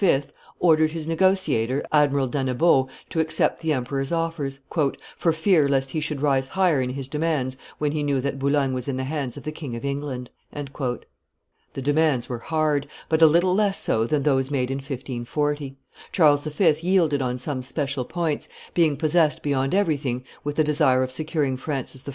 ordered his negotiator, Admiral d'Annebaut, to accept the emperor's offers, "for fear lest he should rise higher in his demands when he knew that Boulogne was in the hands of the King of England." The demands were hard, but a little less so than those made in 1540; Charles V. yielded on some special points, being possessed beyond everything with the desire of securing Francis I.